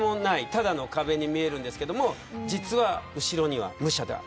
ただの壁に見えるんですけど実は後ろには武者がいる。